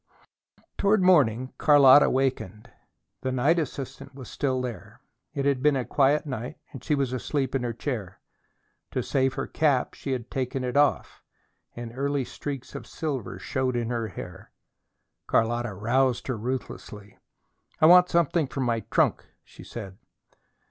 Toward morning Carlotta wakened. The night assistant was still there. It had been a quiet night and she was asleep in her chair. To save her cap she had taken it off, and early streaks of silver showed in her hair. Carlotta roused her ruthlessly. "I want something from my trunk," she said.